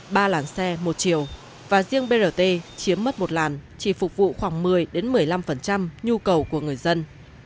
ba làn xe một chiều và riêng brt chiếm mất một làn chỉ phục vụ khoảng một mươi một mươi năm nhu cầu của người dân